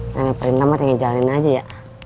namanya perintah mesti ngejalanin aja ya